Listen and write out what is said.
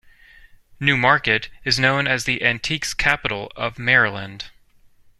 New Market is known as the Antiques Capital of Maryland.